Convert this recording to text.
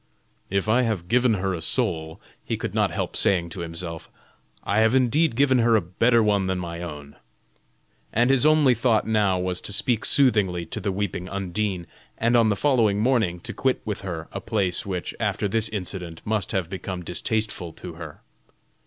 "If I have given her a soul," he could not help saying to himself, "I have indeed given her a better one than my own;" and his only thought now was to speak soothingly to the weeping Undine, and on the following morning to quit with her a place which, after this incident, must have become distasteful to her.